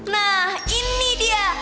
nah ini dia